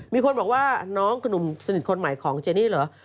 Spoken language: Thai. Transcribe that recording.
มีคนบอกว่าน้องคุณหนุ่มสนิทคนใหม่ของเจนี่เหรอ